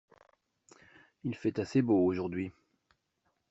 Il fait assez beau aujourd'hui.